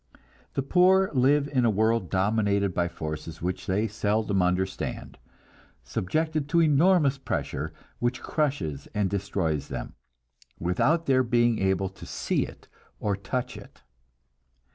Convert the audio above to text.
The poor live in a world dominated by forces which they seldom understand, subjected to enormous pressure which crushes and destroys them, without their being able to see it or touch it.